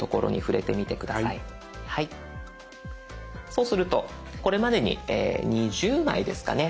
そうするとこれまでに２０枚ですかね